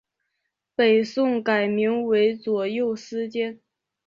北宋改名为左右司谏。